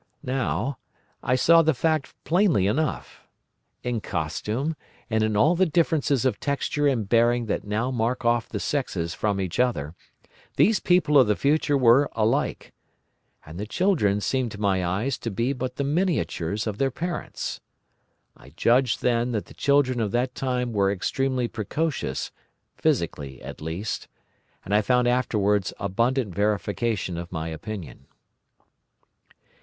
Now, I saw the fact plainly enough. In costume, and in all the differences of texture and bearing that now mark off the sexes from each other, these people of the future were alike. And the children seemed to my eyes to be but the miniatures of their parents. I judged then that the children of that time were extremely precocious, physically at least, and I found afterwards abundant verification of my opinion.